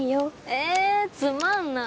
えつまんない。